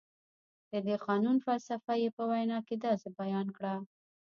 د دې قانون فلسفه یې په وینا کې داسې بیان کړه.